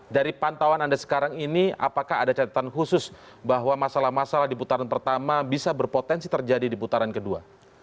dari pantauan anda sekarang ini apakah ada catatan khusus bahwa masalah masalah di putaran pertama bisa berpotensi terjadi di putaran kedua